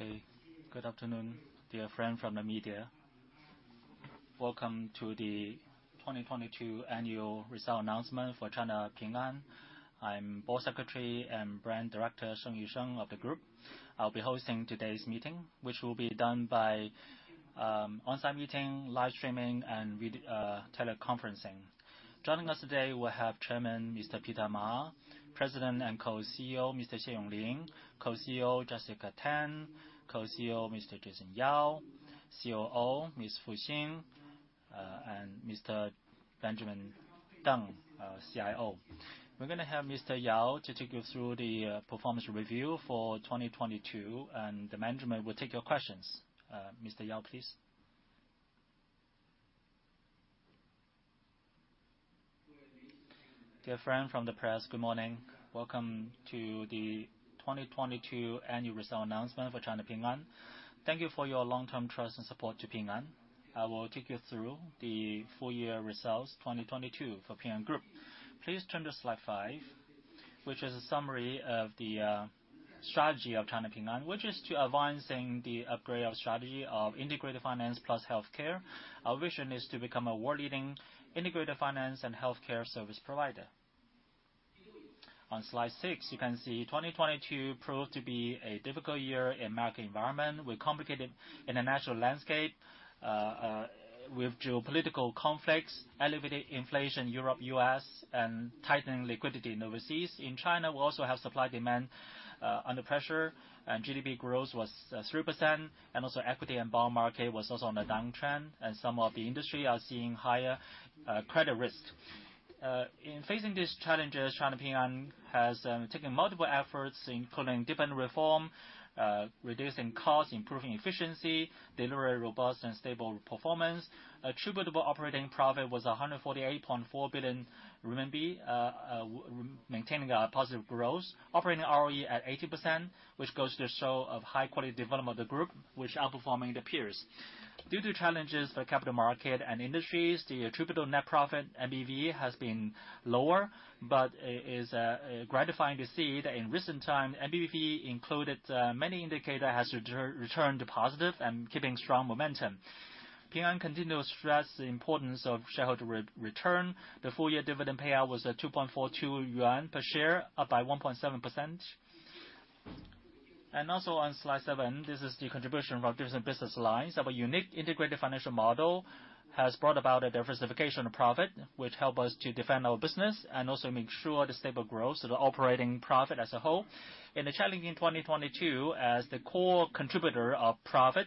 Okay. Good afternoon, dear friend from the media. Welcome to the 2022 annual result announcement for China Ping An. I'm Board Secretary and Brand Director, Sheng Ruisheng of the group. I'll be hosting today's meeting, which will be done by on-site meeting, live streaming, and teleconferencing. Joining us today, we'll have Chairman, Mr. Peter Ma. President and Co-CEO, Mr. Xie Yonglin. Co-CEO, Jessica Tan. Co-CEO, Mr. Jason Yao. COO, Ms. Fu Xin, and Mr. Benjamin Deng, CIO. We're gonna have Mr. Yao to take you through the performance review for 2022, and the management will take your questions. Mr. Yao, please. Dear friend from the press, good morning. Welcome to the 2022 annual result announcement for China Ping An. Thank you for your long-term trust and support to Ping An. I will take you through the full year results 2022 for Ping An Group. Please turn to slide five, which is a summary of the strategy of China Ping An, which is to advancing the upgrade of strategy of integrated finance plus healthcare. Our vision is to become a world leading integrated finance and healthcare service provider. On slide six, you can see 2022 proved to be a difficult year in market environment with complicated international landscape with geopolitical conflicts, elevated inflation, Europe, U.S., and tightening liquidity in overseas. In China, we also have supply demand under pressure and GDP growth was 3%. Also, equity and bond market was also on a downtrend, and some of the industry are seeing higher credit risk. In facing these challenges, China Ping An has taken multiple efforts, including different reform, reducing costs, improving efficiency, deliver a robust and stable performance. Attributable operating profit was 148.4 billion RMB, maintaining a positive growth, operating ROE at 80%, which goes to show of high quality development of the group, which outperforming the peers. Due to challenges by capital market and industries, the attributable net profit, NBV has been lower, but is gratifying to see that in recent time, NBV included, many indicator has returned to positive and keeping strong momentum. Ping An continuous stress the importance of shareholder return. The full year dividend payout was at 2.42 yuan per share, up by 1.7%. Also on slide seven, this is the contribution from different business lines. Our unique integrated financial model has brought about a diversification of profit, which help us to defend our business and also make sure the stable growth of the operating profit as a whole. In the challenging 2022 as the core contributor of profit,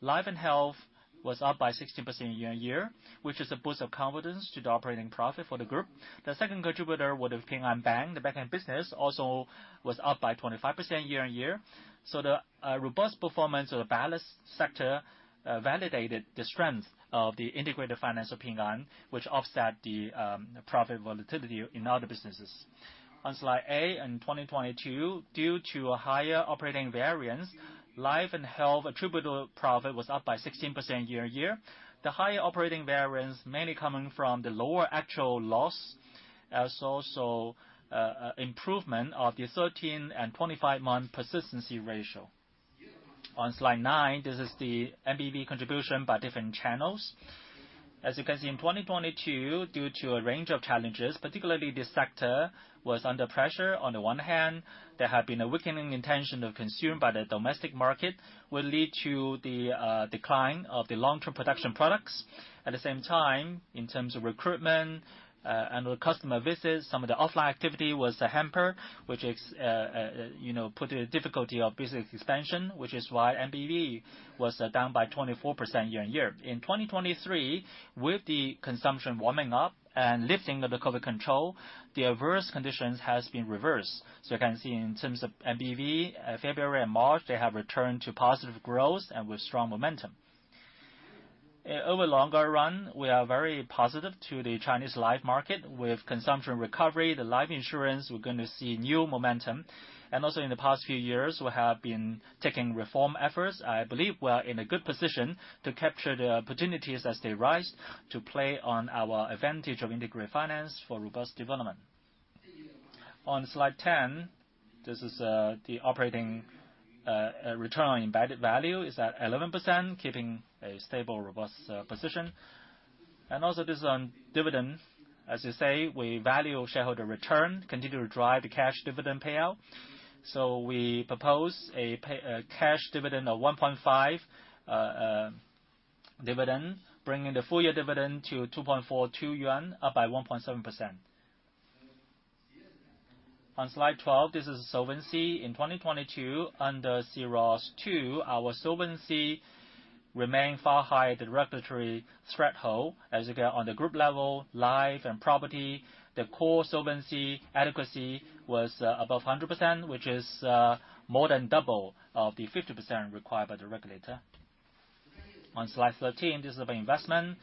Life & Health was up by 16% year and year, which is a boost of confidence to the operating profit for the group. The second contributor would have Ping An Bank. The back-end business also was up by 25% year on year. The robust performance of the balance sector validated the strength of the integrated finance of Ping An, which offset the profit volatility in other businesses. On slide eight, in 2022, due to a higher operating variance, Life & Health attributable profit was up by 16% year on year. The higher operating variance mainly coming from the lower actual loss, as also, improvement of the 13 and 25 month persistency ratio. On Slide nine, this is the NBV contribution by different channels. You can see, in 2022, due to a range of challenges, particularly this sector was under pressure. On the one hand, there had been a weakening intention of consumer by the domestic market, will lead to the decline of the long-term production products. At the same time, in terms of recruitment, and the customer visits, some of the offline activity was a hamper, which is, you know, put a difficulty of business expansion, which is why NBV was down by 24% year-on-year. In 2023, with the consumption warming up and lifting of the COVID control, the adverse conditions has been reversed. You can see in terms of NBV, February and March, they have returned to positive growth and with strong momentum. Over longer run, we are very positive to the Chinese life market. With consumption recovery, the life insurance, we're gonna see new momentum. In the past few years, we have been taking reform efforts. I believe we are in a good position to capture the opportunities as they rise to play on our advantage of integrated finance for robust development. On slide 10, this is the operating return on embedded value is at 11%, keeping a stable, robust position. This is on dividend. As I say, we value shareholder return, continue to drive the cash dividend payout. We propose a cash dividend of 1.5 dividend, bringing the full year dividend to 2.42 yuan, up by 1.7%. On slide 12, this is solvency. In 2022, under C-ROSS II, our solvency remain far higher the regulatory threshold. As you can on the group level, Life and Property, the core solvency adequacy was above 100%, which is more than double of the 50% required by the regulator. On slide 13, this is our investment.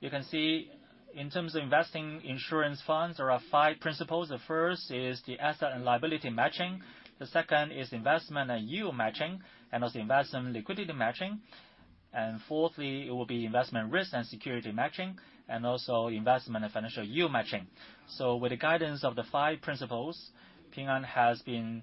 You can see in terms of investing insurance funds, there are five principles. The first is the asset and liability matching. The second is investment and yield matching, and also investment and liquidity matching. Fourthly, it will be investment risk and security matching, and also investment and financial yield matching. With the guidance of the five principles, Ping An has been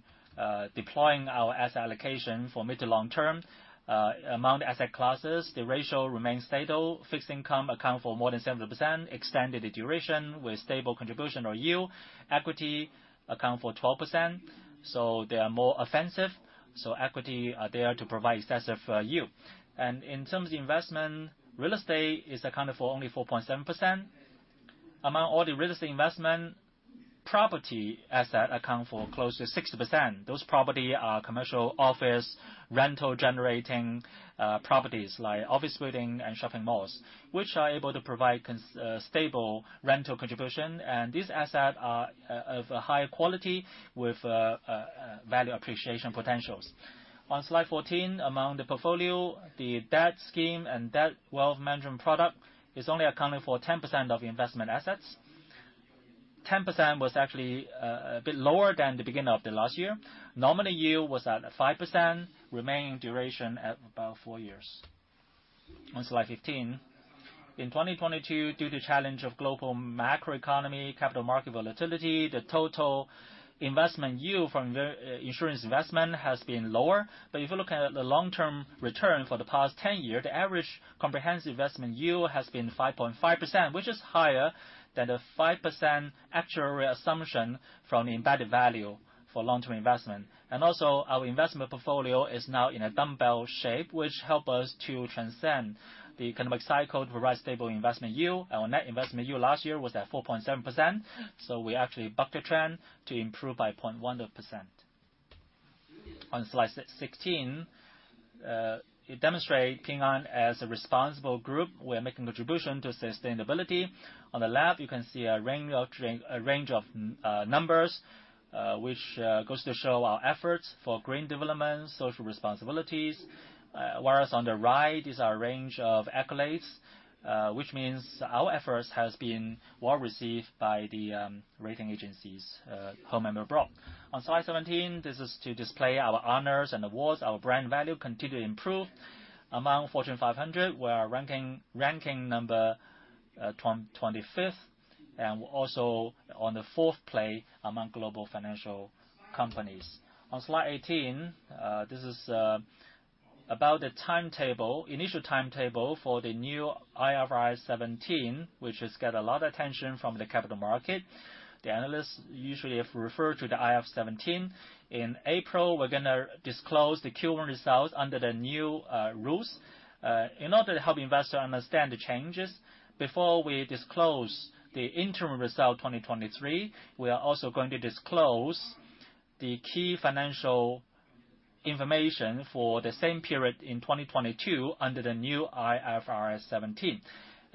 deploying our asset allocation for mid to long term. Among the asset classes, the ratio remains stable. Fixed income account for more than 70%, extended the duration with stable contribution or yield. Equity account for 12%, so they are more offensive. Equity are there to provide excessive yield. In terms of investment, real estate is accounted for only 4.7%. Among all the real estate investment, property asset account for close to 60%. Those property are commercial office, rental generating properties like office building and shopping malls, which are able to provide stable rental contribution. These asset are of a high quality with value appreciation potentials. On slide 14, among the portfolio, the debt scheme and debt wealth management product is only accounting for 10% of investment assets. 10% was actually a bit lower than the beginning of the last year. Nominal yield was at 5%, remaining duration at about four years. On slide 15. In 2022, due to challenge of global macroeconomy, capital market volatility, the total investment yield from the insurance investment has been lower. If you look at the long-term return for the past 10 years, the average comprehensive investment yield has been 5.5%, which is higher than the 5% actuary assumption from the embedded value for long-term investment. Also, our investment portfolio is now in a dumbbell shape, which help us to transcend the economic cycle to provide stable investment yield. Our net investment yield last year was at 4.7%, we actually bucked the trend to improve by 0.1%. On slide 16, it demonstrate Ping An as a responsible group. We are making contribution to sustainability. On the left, you can see a range of numbers, which goes to show our efforts for green development, social responsibilities. Whereas on the right is our range of accolades, which means our efforts has been well received by the rating agencies, home and abroad. On slide 17, this is to display our honors and awards. Our brand value continue to improve. Among Fortune 500, we are ranking number 25th, and we're also on the fourth place among global financial companies. On slide 18, this is about the timetable, initial timetable for the new IFRS 17, which has got a lot of attention from the capital market. The analysts usually have referred to the IFRS 17. In April, we're gonna disclose the Q1 results under the new rules. In order to help investors understand the changes, before we disclose the interim result 2023, we are also going to disclose the key financial information for the same period in 2022 under the new IFRS 17.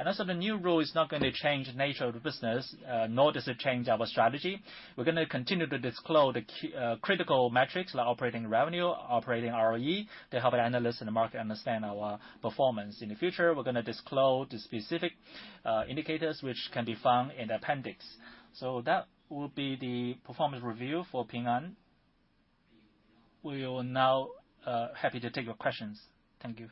Also, the new rule is not gonna change the nature of the business, nor does it change our strategy. We're gonna continue to disclose the key critical metrics like operating revenue, operating ROE to help analysts in the market understand our performance. In the future, we're gonna disclose the specific indicators which can be found in the appendix. That will be the performance review for Ping An. We will now happy to take your questions. Thank you.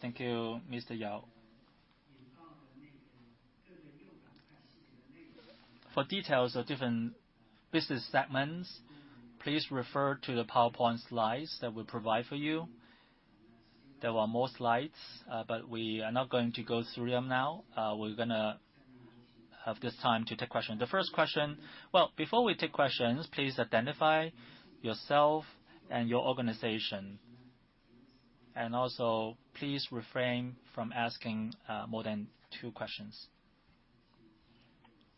Thank you, Mr. Yao. For details of different business segments, please refer to the PowerPoint slides that we provide for you. There were more slides, but we are not going to go through them now. We're gonna have this time to take question. The first question... Well, before we take questions, please identify yourself and your organization. Also, please refrain from asking more than two questions.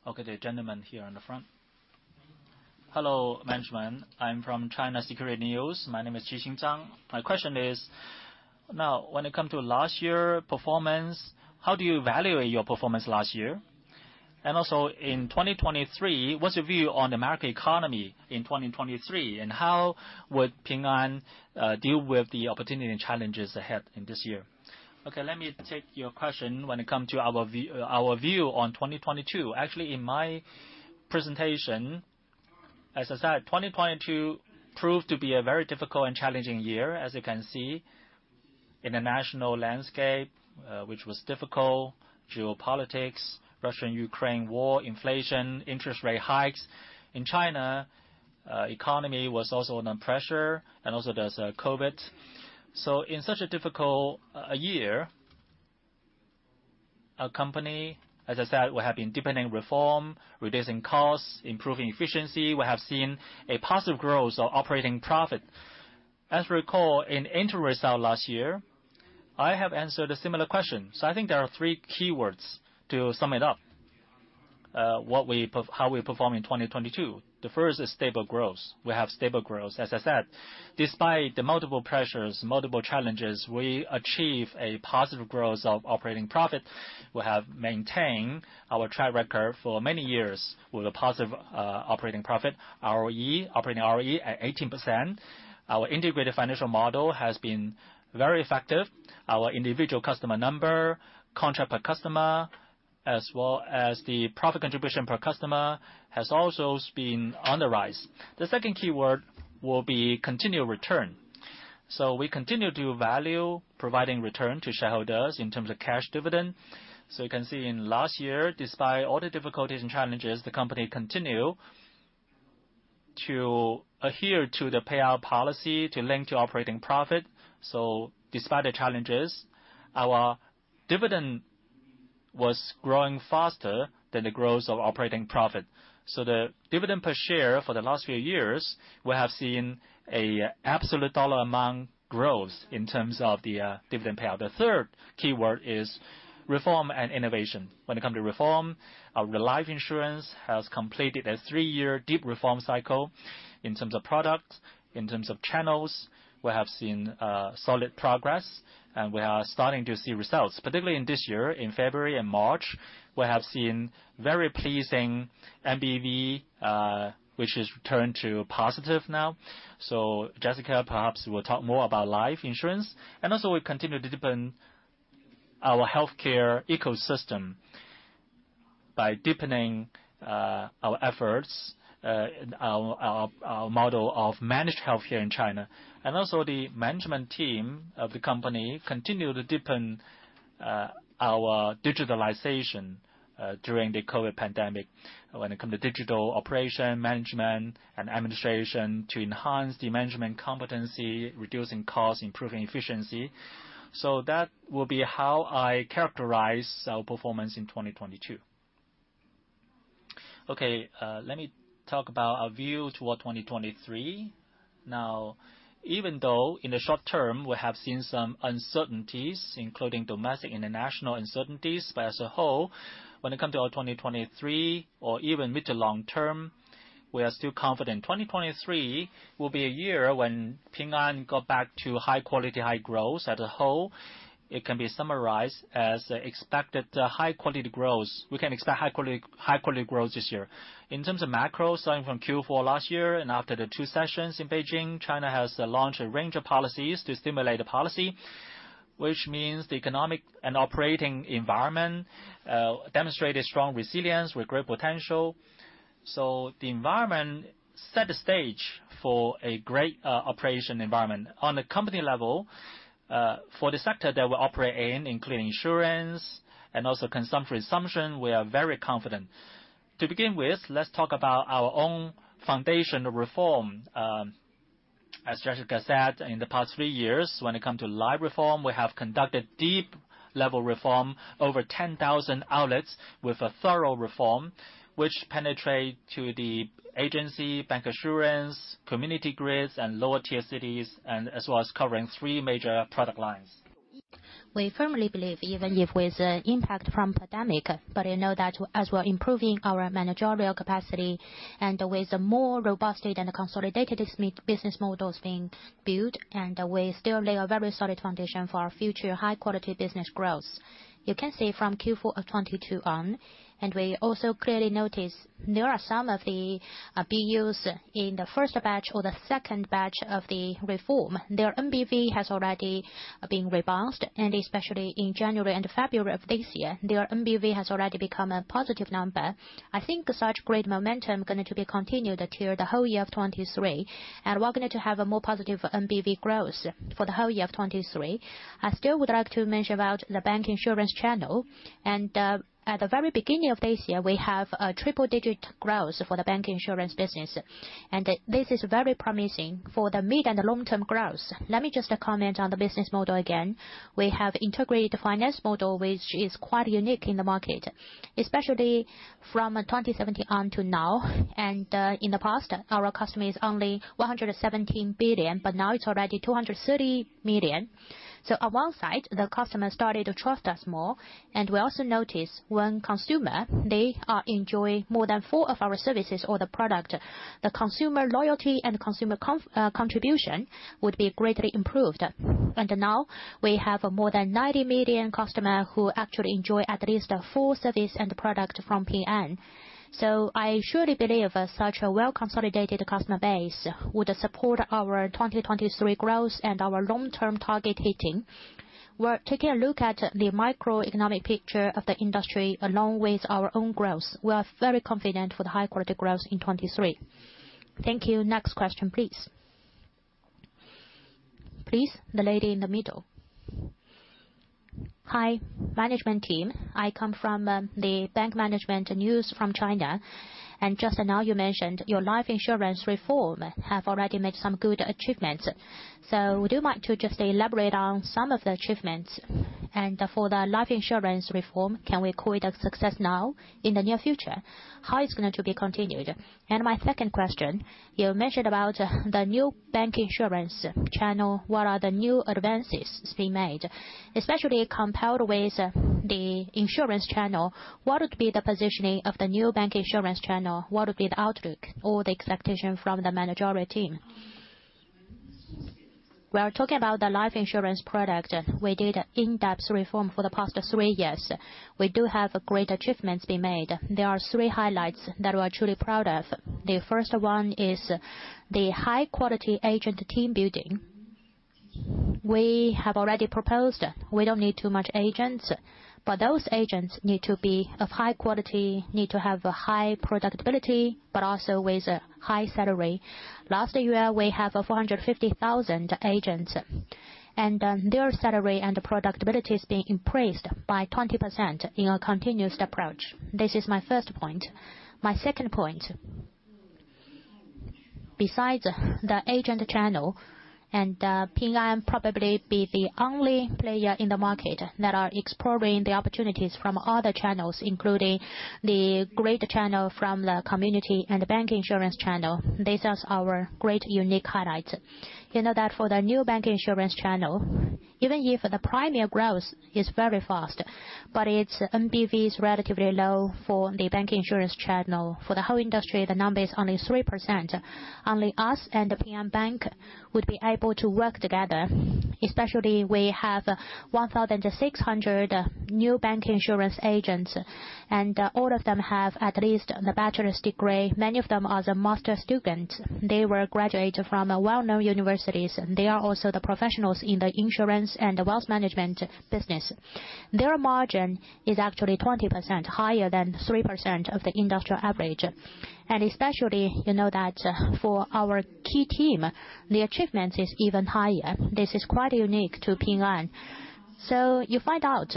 Okay, the gentleman here in the front. Hello, management. I'm from China Security News. My name is Qi Xin Zhang. My question is, now, when it come to last year performance, how do you evaluate your performance last year? In 2023, what's your view on U.S. economy in 2023, and how would Ping An deal with the opportunity and challenges ahead in this year? Let me take your question when it come to our view on 2022. Actually, in my presentation, as I said, 2022 proved to be a very difficult and challenging year, as you can see. International landscape, which was difficult, geopolitics, Russia-Ukrainian War, inflation, interest rate hikes. In China, economy was also under pressure, and also there's COVID. In such a difficult year, our company, as I said, we have been deepening reform, reducing costs, improving efficiency. We have seen a positive growth of operating profit. As you recall, in interim result last year, I have answered a similar question. I think there are three keywords to sum it up, how we perform in 2022. The first is stable growth. We have stable growth. As I said, despite the multiple pressures, multiple challenges, we achieve a positive growth of operating profit. We have maintained our track record for many years with a positive operating profit. ROE, operating ROE at 18%. Our integrated financial model has been very effective. Our individual customer number, contract per customer as well as the profit contribution per customer has also been on the rise. The second keyword will be continued return. We continue to value providing return to shareholders in terms of cash dividend. You can see in last year, despite all the difficulties and challenges, the company continued to adhere to the payout policy to link to operating profit. Despite the challenges, our dividend was growing faster than the growth of operating profit. The dividend per share for the last few years, we have seen a absolute dollar amount growth in terms of the dividend payout. The third keyword is reform and innovation. When it comes to reform, our life insurance has completed a three-year deep reform cycle in terms of products, in terms of channels. We have seen solid progress, and we are starting to see results. Particularly in this year, in February and March, we have seen very pleasing NBV, which has returned to positive now. Jessica perhaps will talk more about life insurance. Also we continue to deepen our healthcare ecosystem by deepening our efforts, our model of managed healthcare in China. The management team of the company continue to deepen our digitalization during the COVID pandemic when it comes to digital operation, management and administration to enhance the management competency, reducing costs, improving efficiency. That will be how I characterize our performance in 2022. Okay. Let me talk about our view toward 2023. Even though in the short term we have seen some uncertainties, including domestic, international uncertainties, as a whole, when it comes to our 2023 or even mid to long term, we are still confident. 2023 will be a year when Ping An go back to high quality, high growth as a whole. It can be summarized as expected high quality growth. We can expect high quality growth this year. In terms of macro, starting from Q4 last year and after the Two Sessions in Beijing, China has launched a range of policies to stimulate the policy, which means the economic and operating environment demonstrated strong resilience with great potential. The environment set the stage for a great operation environment. On a company level, for the sector that we operate in, including insurance and also consumption, we are very confident. To begin with, let's talk about our own foundational reform. As Jessica said, in the past three years, when it comes to life reform, we have conducted deep level reform, over 10,000 outlets with a thorough reform, which penetrate to the agency, bank insurance, community grids and lower tier cities and as well as covering three major product lines. We firmly believe even if with the impact from pandemic, I know that as we're improving our managerial capacity and with the more robust and consolidated business models being built, we still lay a very solid foundation for our future high quality business growth. You can see from Q4 of 2022 on, we also clearly notice there are some of the BUs in the first batch or the second batch of the reform. Their NBV has already been rebounded, especially in January and February of this year, their NBV has already become a positive number. I think such great momentum going to be continued through the whole year of 2023, we're going to have a more positive NBV growth for the whole year of 2023. I still would like to mention about the bank insurance channel. At the very beginning of this year, we have a triple-digit growth for the bank insurance business, and this is very promising for the mid and the long-term growth. Let me just comment on the business model again. We have integrated finance model, which is quite unique in the market, especially from 2017 on to now. In the past, our customers only 117 million, but now it's already 230 million. On one side, the customers started to trust us more. We also noticed when consumer, they are enjoying more than four of our services or the product, the consumer loyalty and consumer contribution would be greatly improved. Now we have more than 90 million customer who actually enjoy at least four service and product from Ping An. I surely believe such a well-consolidated customer base would support our 2023 growth and our long-term target hitting. We're taking a look at the microeconomic picture of the industry along with our own growth. We are very confident for the high quality growth in 2023. Thank you. Next question, please. Please, the lady in the middle. Hi, management team. I come from the Bank Management News from China. Just now you mentioned your life insurance reform have already made some good achievements. Would you mind to just elaborate on some of the achievements? For the life insurance reform, can we call it a success now in the near future? How it's going to be continued? My second question, you mentioned about the new bank insurance channel. What are the new advances being made? Especially compared with the insurance channel, what would be the positioning of the new bank insurance channel? What would be the outlook or the expectation from the managerial team? We are talking about the life insurance product. We did in-depth reform for the past three years. We do have great achievements being made. There are three highlights that we are truly proud of. The first one is the high quality agent team building. We have already proposed, we don't need too much agents, but those agents need to be of high quality, need to have a high predictability, but also with a high salary. Last year, we have 450,000 agents, and then their salary and the predictability is being increased by 20% in a continuous approach. This is my first point. My second point. Besides the agent channel, and Ping An probably be the only player in the market that are exploring the opportunities from other channels, including the great channel from the community and the bank insurance channel. This is our great unique highlight. You know that for the new bank insurance channel, even if the premier growth is very fast, but its MPV is relatively low for the bank insurance channel. For the whole industry, the number is only 3%. Only us and the Ping An Bank would be able to work together, especially we have 1,600 new bank insurance agents, and all of them have at least a bachelor's degree. Many of them are master's students. They were graduated from well-known universities. They are also the professionals in the insurance and the wealth management business. Their margin is actually 20% higher than 3% of the industrial average. Especially, you know that for our key team, the achievement is even higher. This is quite unique to Ping An. You find out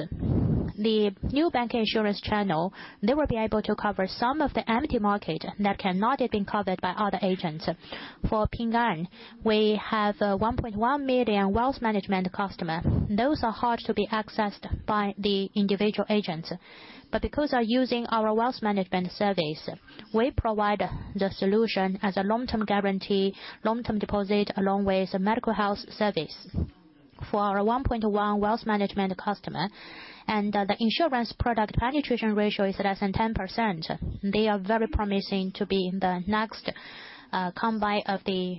the new bank insurance channel, they will be able to cover some of the empty market that cannot have been covered by other agents. For Ping An, we have 1.1 million wealth management customer. Those are hard to be accessed by the individual agents. Because they're using our wealth management service, we provide the solution as a long-term guarantee, long-term deposit, along with medical health service. For our 1.1 wealth management customer and the insurance product penetration ratio is less than 10%. They are very promising to be the next combine of the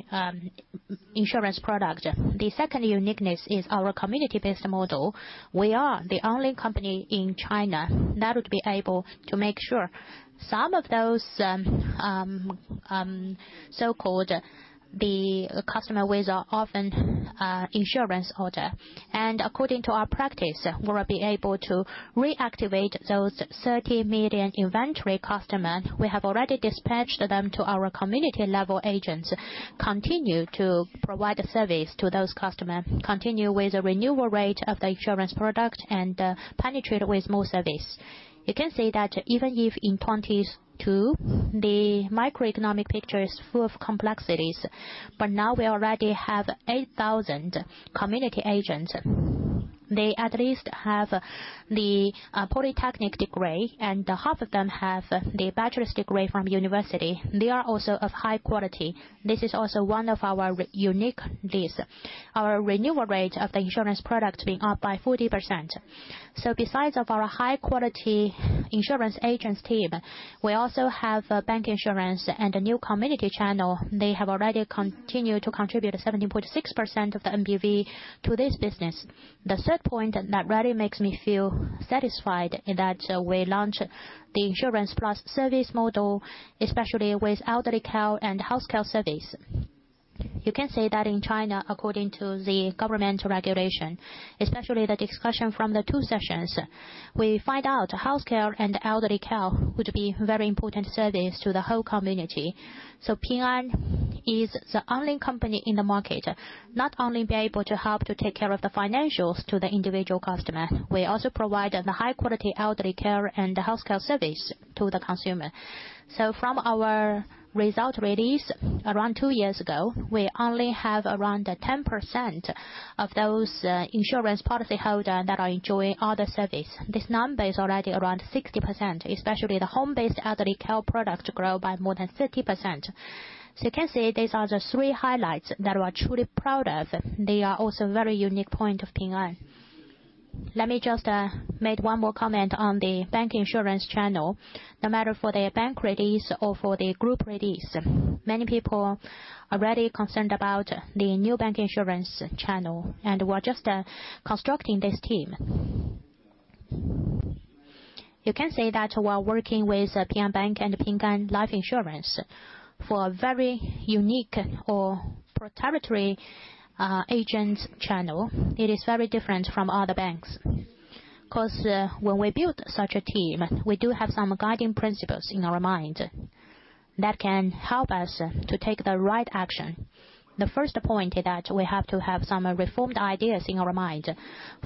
insurance product. The second uniqueness is our community-based model. We are the only company in China that would be able to make sure some of those so-called the customer with an often insurance order. According to our practice, we'll be able to reactivate those 30 million inventory customer. We have already dispatched them to our community-level agents, continue to provide a service to those customers, continue with the renewal rate of the insurance product and penetrate with more service. You can see that even if in 2022, the microeconomic picture is full of complexities, now we already have 8,000 community agents. They at least have the polytechnic degree, half of them have the bachelor's degree from university. They are also of high quality. This is also one of our unique days. Our renewal rate of the insurance product being up by 40%. Besides of our high-quality insurance agents team, we also have a bank insurance and a new community channel. They have already continued to contribute 17.6% of the NBV to this business. The third point that really makes me feel satisfied is that we launched the insurance plus service model, especially with elderly care and health care service. You can say that in China, according to the government regulation, especially the discussion from the Two Sessions, we find out healthcare and elderly care would be very important service to the whole community. Ping An is the only company in the market, not only be able to help to take care of the financials to the individual customer, we also provide the high-quality elderly care and health care service to the consumer. From our result release around two years ago, we only have around 10% of those insurance policyholders that are enjoying all the service. This number is already around 60%, especially the home-based elderly care product grow by more than 30%. You can see these are the three highlights that we are truly proud of. They are also a very unique point of Ping An. Let me just make one more comment on the bank insurance channel. No matter for the bank release or for the group release, many people are already concerned about the new bank insurance channel, and we're just constructing this team. You can say that while working with Ping An Bank and Ping An Life Insurance for a very unique or proprietary agent channel, it is very different from other banks. When we build such a team, we do have some guiding principles in our mind that can help us to take the right action. The first point is that we have to have some reformed ideas in our mind.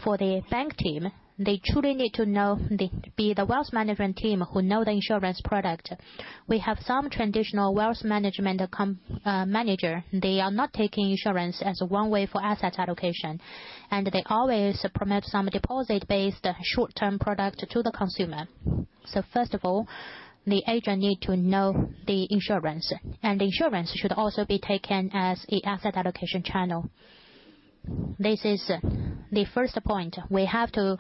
For the bank team, they truly need to be the wealth management team who know the insurance product. We have some traditional wealth management manager. They are not taking insurance as one way for asset allocation, and they always promote some deposit-based short-term product to the consumer. First of all, the agent need to know the insurance, and insurance should also be taken as the asset allocation channel. This is the first point. We have to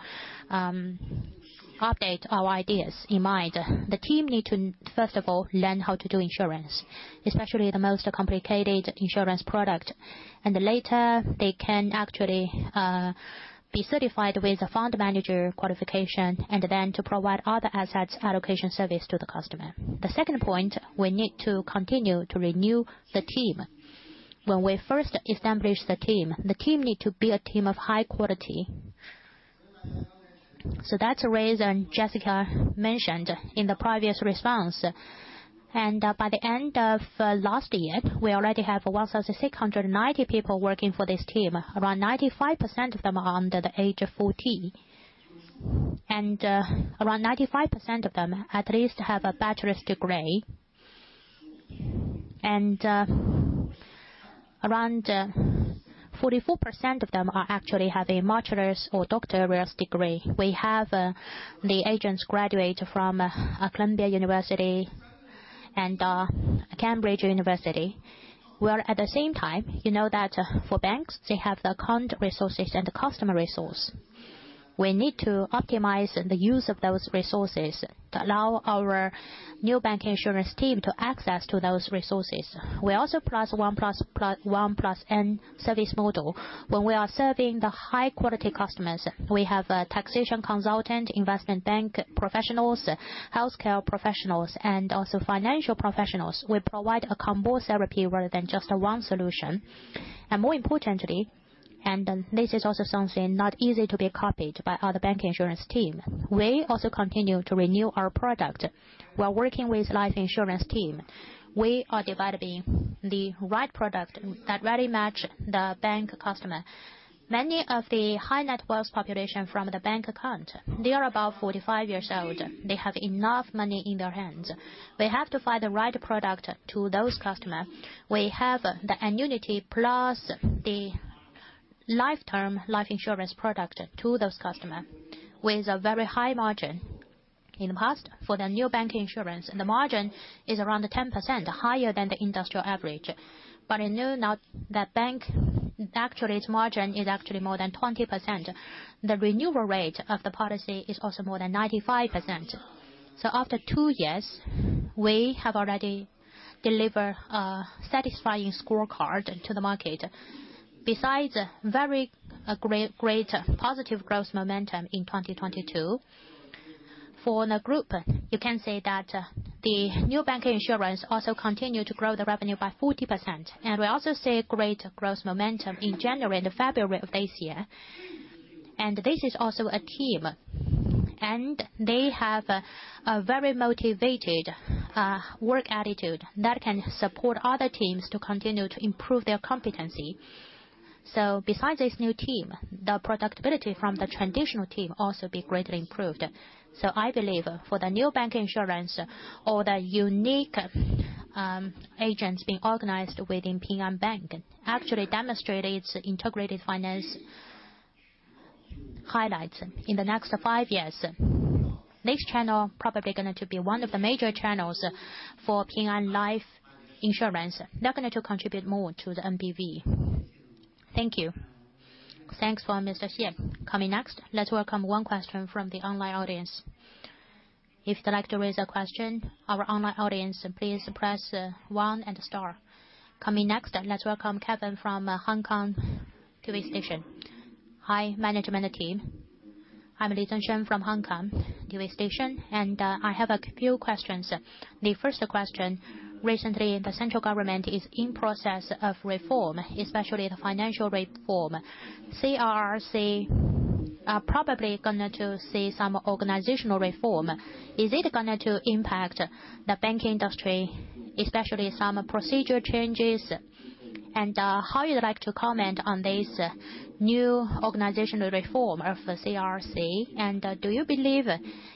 update our ideas in mind. The team need to, first of all, learn how to do insurance, especially the most complicated insurance product. Later, they can actually be certified with a fund manager qualification and then to provide other assets allocation service to the customer. The second point, we need to continue to renew the team. When we first established the team, the team need to be a team of high quality. That's the reason Jessica mentioned in the previous response. By the end of last year, we already have 1,690 people working for this team. Around 95% of them are under the age of 40. Around 95% of them at least have a bachelor's degree. Around 44% of them are actually have a master's or doctoral degree. We have the agents graduate from Columbia University and Cambridge University. Well, at the same time, you know that for banks, they have the account resources and the customer resource. We need to optimize the use of those resources to allow our new bank insurance team to access to those resources. We also 1+N service model. When we are serving the high-quality customers, we have a taxation consultant, investment bank professionals, healthcare professionals, and also financial professionals. We provide a combo therapy rather than just one solution. More importantly, this is also something not easy to be copied by other bank insurance team, we also continue to renew our product while working with life insurance team. We are developing the right product that really match the bank customer. Many of the high net worth population from the bank account, they are about 45 years old. They have enough money in their hands. We have to find the right product to those customers. We have the annuity plus the long-term life insurance product to those customers with a very high margin. In the past, for the new bank insurance, the margin is around 10% higher than the industrial average. The bank, actually its margin is actually more than 20%. The renewal rate of the policy is also more than 95%. After two years, we have already delivered a satisfying scorecard to the market. Besides very great positive growth momentum in 2022, for the group, you can say that the new bank insurance also continued to grow the revenue by 40%. We also see great growth momentum in January and February of this year. This is also a team, and they have a very motivated work attitude that can support other teams to continue to improve their competency. Besides this new team, the productivity from the transitional team also be greatly improved. I believe for the new bank insurance or the unique agents being organized within Ping An Bank actually demonstrated its integrated finance highlights in the next five years. This channel probably gonna to be one of the major channels for Ping An Life Insurance. They're gonna to contribute more to the MPV. Thank you. Thanks for Mr. Xie. Coming next, let's welcome one question from the online audience. If you'd like to raise a question, our online audience, please press one and star. Coming next, let's welcome Kevin from Hong Kong TV station. Hi, management team. I'm Li Zhengxin from Hong Kong TV station. I have a few questions. The first question, recently, the central government is in process of reform, especially the financial reform. CRRC are probably gonna to see some organizational reform. Is it gonna to impact the banking industry, especially some procedure changes? How you'd like to comment on this new organizational reform of CRRC? Do you believe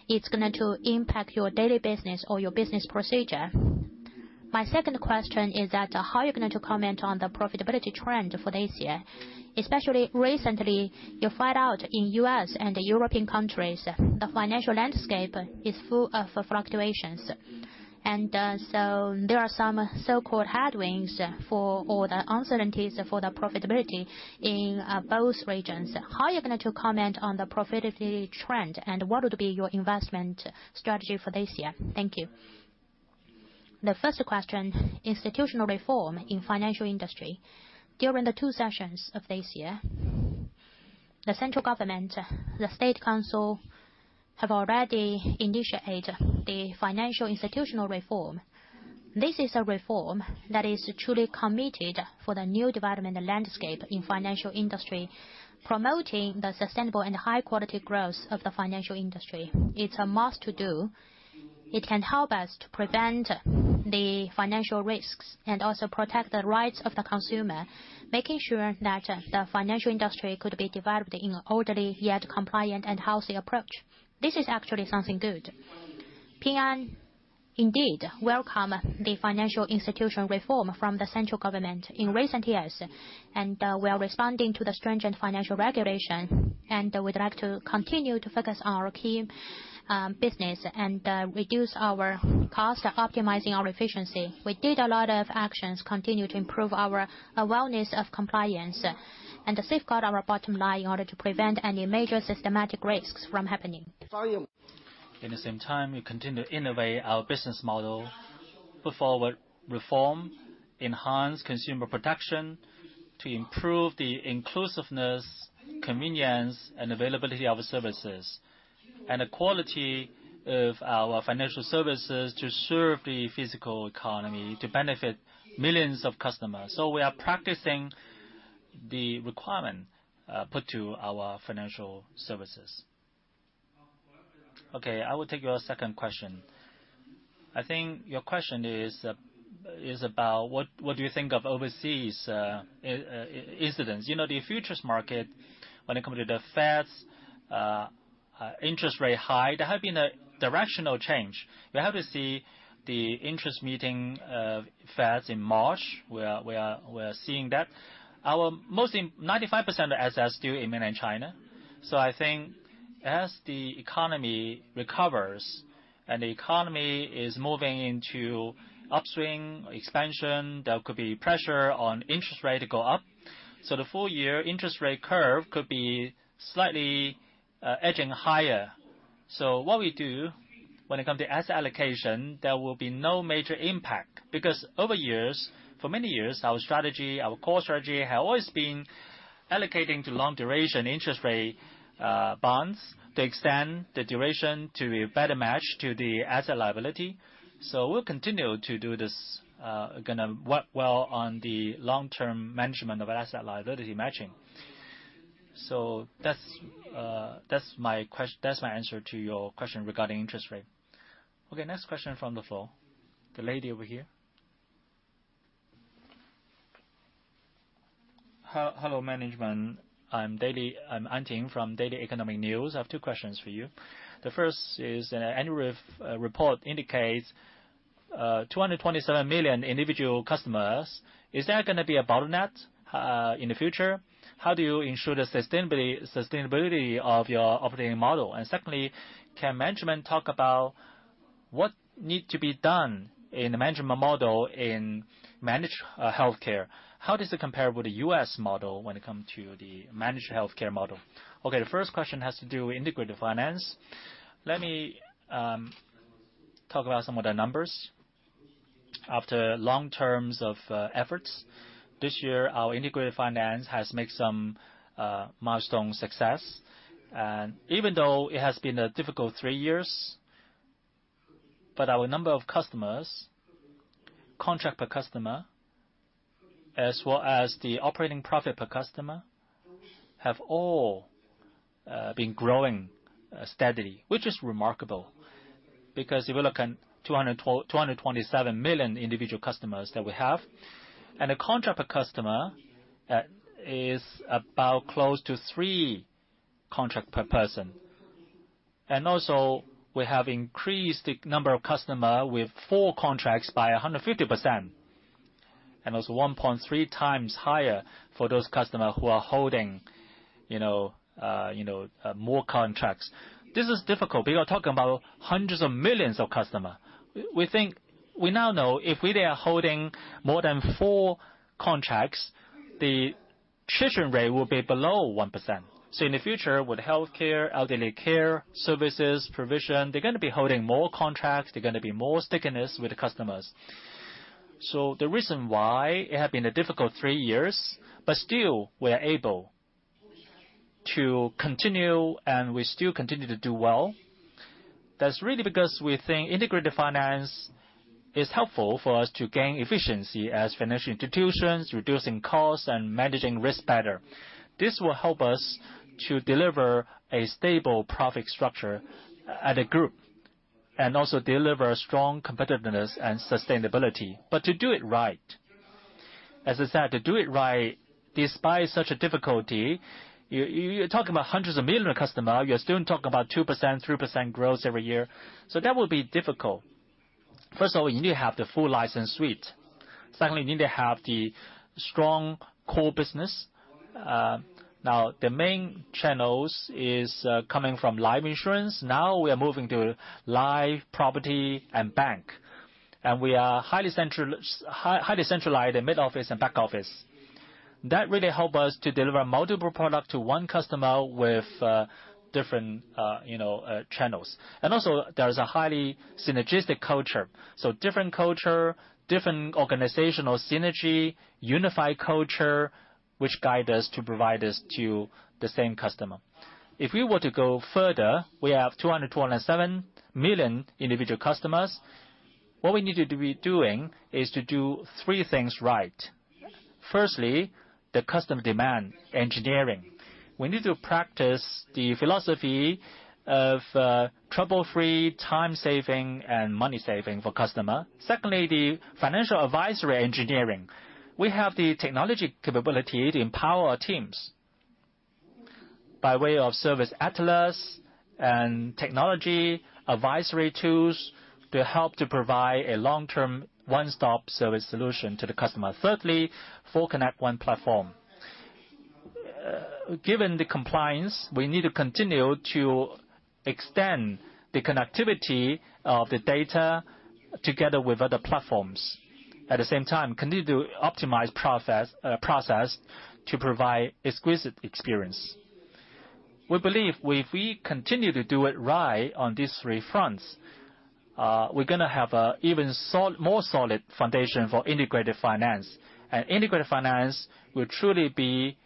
it's gonna to impact your daily business or your business procedure? My second question is that how you're gonna to comment on the profitability trend for this year? Especially recently, you find out in U.S. and the European countries, the financial landscape is full of fluctuations. There are some so-called headwinds for, or the uncertainties for the profitability in both regions. How are you gonna comment on the profitability trend. What would be your investment strategy for this year? Thank you. The first question, institutional reform in financial industry. During the Two Sessions of this year, the central government, the State Council, have already initiated the financial institutional reform. This is a reform that is truly committed for the new development landscape in financial industry, promoting the sustainable and high-quality growth of the financial industry. It's a must to do. It can help us to prevent the financial risks and also protect the rights of the consumer, making sure that the financial industry could be developed in an orderly yet compliant and healthy approach. This is actually something good. Ping An indeed welcome the financial institution reform from the central government in recent years. We are responding to the stringent financial regulation. We'd like to continue to focus on our key business and reduce our costs, optimizing our efficiency. We did a lot of actions, continue to improve our awareness of compliance and to safeguard our bottom line in order to prevent any major systematic risks from happening. In the same time, we continue to innovate our business model. Put forward reform, enhance consumer protection to improve the inclusiveness, convenience, and availability of services, and the quality of our financial services to serve the physical economy, to benefit millions of customers. We are practicing the requirement put to our financial services. Okay, I will take your second question. I think your question is about what do you think of overseas incidence? You know, the futures market, when it comes to the Fed's interest rate high, there have been a directional change. We have to see the interest meeting of Feds in March. We are seeing that. Our mostly 95% of assets is still in Mainland China. I think as the economy recovers and the economy is moving into upswing, expansion, there could be pressure on interest rate to go up. The full year interest rate curve could be slightly edging higher. What we do when it comes to asset allocation, there will be no major impact, because over years, for many years, our strategy, our core strategy has always been allocating to long duration interest rate bonds to extend the duration to a better match to the asset liability. We'll continue to do this, gonna work well on the long-term management of our asset liability matching. That's my answer to your question regarding interest rate. Okay, next question from the floor. The lady over here. Hello, management. I'm Antine from Daily Economic News. I have two questions for you. The first is, annual report indicates 227 million individual customers. Is that gonna be a bottleneck in the future? How do you ensure the sustainability of your operating model? Secondly, can management talk about what need to be done in the management model in managed healthcare? How does it compare with the U.S. model when it comes to the managed healthcare model? Okay, the first question has to do with integrated finance. Let me talk about some of the numbers. After long terms of efforts, this year, our integrated finance has made some milestone success. Even though it has been a difficult three years, but our number of customers, contract per customer, as well as the operating profit per customer, have all been growing steadily, which is remarkable. If you look at 227 million individual customers that we have, and the contract per customer, is about close to three contract per person. Also, we have increased the number of customer with 4 contracts by 150%. That's 1.3 times higher for those customer who are holding, you know, you know, more contracts. This is difficult. We are talking about hundreds of millions of customer. We now know if they are holding more than four contracts, the attrition rate will be below 1%. In the future, with healthcare, elderly care, services, provision, they're gonna be holding more contracts, they're gonna be more stickiness with the customers. The reason why it has been a difficult three years, but still we are able to continue, and we still continue to do well, that's really because we think integrated finance is helpful for us to gain efficiency as financial institutions, reducing costs and managing risk better. This will help us to deliver a stable profit structure at a group, and also deliver strong competitiveness and sustainability. To do it right, as I said, to do it right, despite such a difficulty, you're talking about hundreds of million of customer, you're still talking about 2%, 3% growth every year. That will be difficult. First of all, you need to have the full license suite. Secondly, you need to have the strong core business. Now, the main channels is coming from Life Insurance. Now we are moving to Life, property, and bank. We are highly centralized in mid-office and back office. That really help us to deliver multiple product to one customer with different, you know, channels. Also, there's a highly synergistic culture. Different culture, different organizational synergy, unified culture, which guide us to provide this to the same customer. If we were to go further, we have 227 million individual customers. What we need to be doing is to do three things right. Firstly, the customer demand engineering. We need to practice the philosophy of trouble-free, time-saving, and money-saving for customer. Secondly, the financial advisory engineering. We have the technology capability to empower our teams by way of service atlas and technology advisory tools to help to provide a long-term, one-stop service solution to the customer. Thirdly, full connect one platform. Given the compliance, we need to continue to extend the connectivity of the data together with other platforms. At the same time, continue to optimize process to provide exquisite experience. We believe if we continue to do it right on these three fronts, we're gonna have a even more solid foundation for integrated finance. Integrated finance will truly be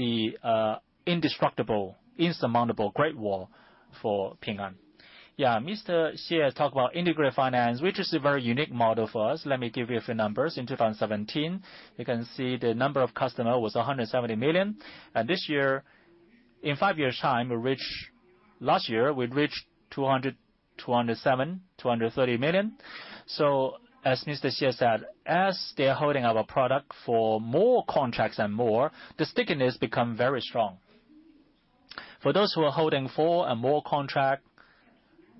the indestructible, insurmountable great wall for Ping An. Yeah, Mr. Xie talked about integrated finance, which is a very unique model for us. Let me give you a few numbers. In 2017, you can see the number of customer was 170 million. This year, in five years time, last year, we reached 200, 207, 230 million. As Mr.Xie said, as they are holding our product for more contracts and more, the stickiness become very strong. For those who are holding four and more contract,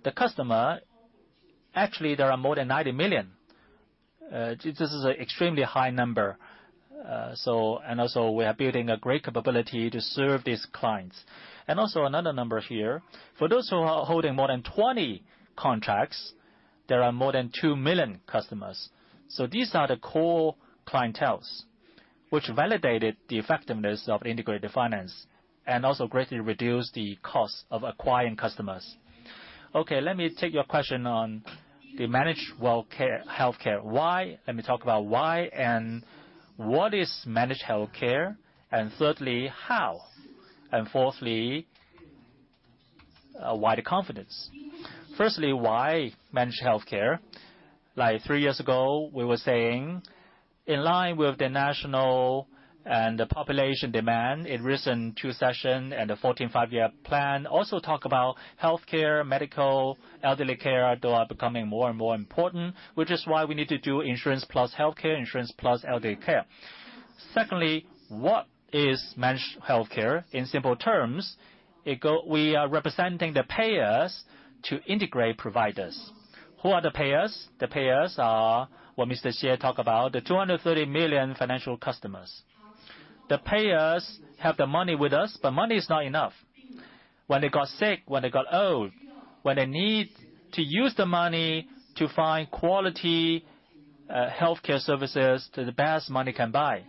the customer, actually, there are more than 90 million. This is an extremely high number. Also we are building a great capability to serve these clients. Also another number here. For those who are holding more than 20 contracts, there are more than two million customers. These are the core clienteles, which validated the effectiveness of integrated finance and also greatly reduced the cost of acquiring customers. Okay, let me take your question on the managed wellcare, healthcare. Why? Let me talk about why and what is managed healthcare? Thirdly, how? Fourthly, why the confidence? Firstly, why managed healthcare? Like three years ago, we were saying, in line with the national and the population demand in recent Two Sessions and the 14th Five-Year Plan also talk about healthcare, medical, elderly care are becoming more and more important, which is why we need to do insurance plus healthcare, insurance plus elderly care. Secondly, what is managed healthcare? In simple terms, we are representing the payers to integrate providers. Who are the payers? The payers are what Mr. Xie talk about, the 230 million financial customers. The payers have the money with us, money is not enough. When they got sick, when they got old, when they need to use the money to find quality healthcare services to the best money can buy.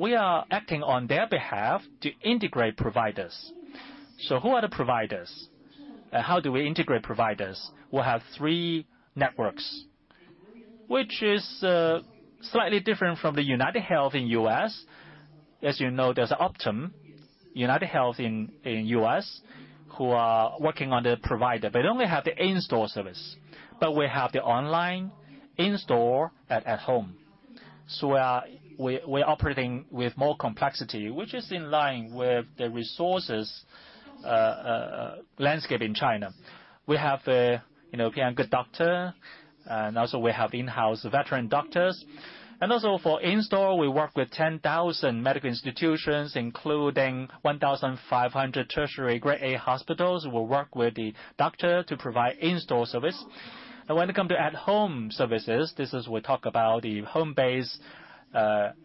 We are acting on their behalf to integrate providers. Who are the providers? How do we integrate providers? We have three networks, which is slightly different from the UnitedHealth Group in U.S. As you know, there's Optum, UnitedHealth Group in U.S., who are working on the provider. They only have the in-store service. We have the online, in-store, and at home. We're operating with more complexity, which is in line with the resources landscape in China. We have, you know, Ping An Good Doctor, and also we have in-house veteran doctors. Also for in-store, we work with 10,000 medical institutions, including 1,500 tertiary grade A hospitals, who work with the doctor to provide in-store service. When it comes to at home services, this is we talk about the home-based